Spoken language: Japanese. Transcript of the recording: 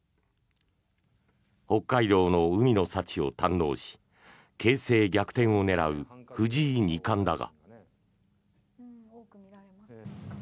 北海道の海の幸を堪能し形勢逆転を狙う藤井二冠だが。